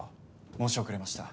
申し遅れました。